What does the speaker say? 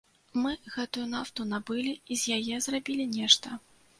Мы гэтую нафту набылі і з яе зрабілі нешта.